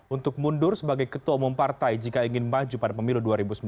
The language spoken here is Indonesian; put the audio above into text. untuk mundur sebagai ketua umum partai jika ingin maju pada pemilu dua ribu sembilan belas